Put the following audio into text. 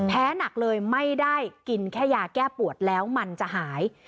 หนักเลยไม่ได้กินแค่ยาแก้ปวดแล้วมันจะหาย